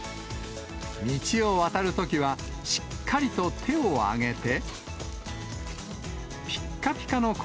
道を渡るときはしっかりと手を挙げて。